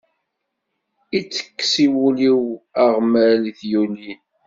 Itekkes i wul-iw aɣmal i t-yulin.